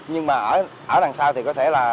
nhưng mà ở đằng sau thì có thể là